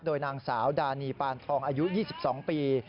โดยนางสาวดานีปานทองอายุ๒๒ปี